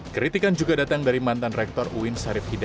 kritikan juga datang dari mantan rektor uin sarif hidayat